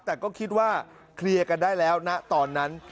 แต่ก็คิดว่าเคลียร์กันได้แล้วนะตอนนั้น